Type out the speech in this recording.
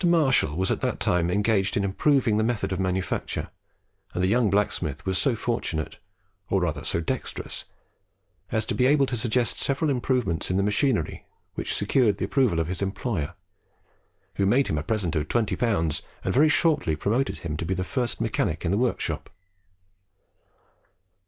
Marshall was at that time engaged in improving the method of manufacture, and the young blacksmith was so fortunate or rather so dexterous as to be able to suggest several improvements in the machinery which secured the approval of his employer, who made him a present of 20L., and very shortly promoted him to be the first mechanic in the workshop.